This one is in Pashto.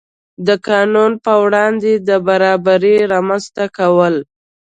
د قانون په وړاندې د برابرۍ رامنځته کول.